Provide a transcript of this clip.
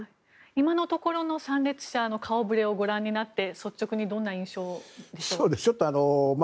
今のところの参列者の顔ぶれをご覧になって率直にどんな印象でしょうか。